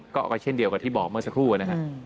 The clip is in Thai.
ก็เช่นเดียวกับที่บอกเมื่อสักครู่นะครับ